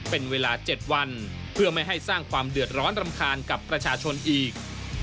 เป็นเวลา๗วันเพื่อไม่ให้สร้างความเดือดร้อนรำคาญกับประชาชนอีก